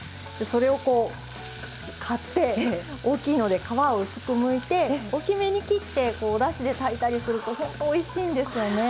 それをこう買って大きいので皮を薄くむいて大きめに切ってこうおだしで炊いたりするとほんとおいしいんですよね。